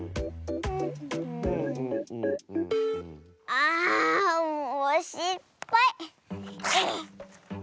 あもうしっぱい！